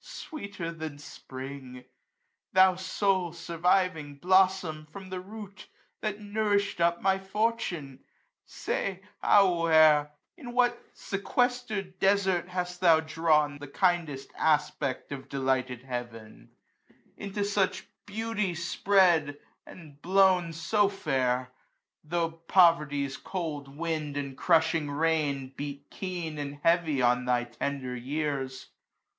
Sweeter than Spring \ 270 Thou sole surviving blossom from the root . That nourishM up ihy fortune ! Say, ah where! *' In what sequestered desert, hast thou drawn " The kindest aspect of delighted Heaven ? s 2 13* AUTUMN. Into such beauty spread^ and blown so fair j ay^ *' Tho' poverty's cold wind, and crushing rain, •' Beat keen, and heavy, on thy tender years